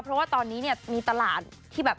เพราะว่าตอนนี้เนี่ยมีตลาดที่แบบ